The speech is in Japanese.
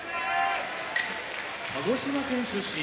鹿児島県出身